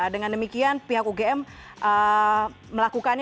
dengan demikian pihak ugm melakukannya